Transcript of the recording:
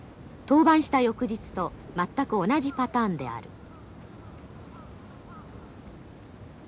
登板した翌日と全く同じパターンである。